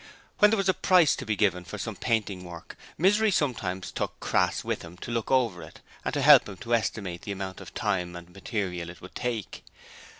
When there was a price to be given for some painting work, Misery sometimes took Crass with him to look over it and help him to estimate the amount of time and material it would take.